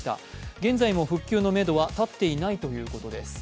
現在も復旧のめどは立っていないということです。